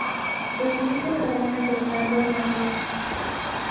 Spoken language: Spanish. Se utiliza en jardines de plantas nativas.